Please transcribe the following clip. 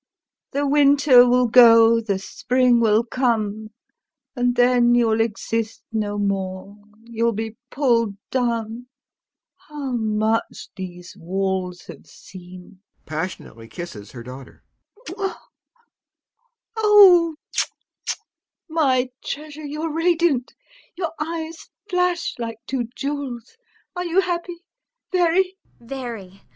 The winter will go, the spring will come, and then you'll exist no more, you'll be pulled down. How much these walls have seen! [Passionately kisses her daughter] My treasure, you're radiant, your eyes flash like two jewels! Are you happy? Very? ANYA. Very!